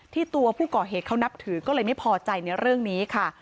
ตัวผู้ก่อเหตุเขานับถือก็เลยไม่พอใจในเรื่องนี้ค่ะ